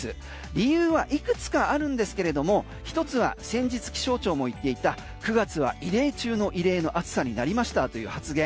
理由はいくつかあるんですけれども１つは先日気象庁も言っていた９月は異例中の異例の暑さになりましたという発言。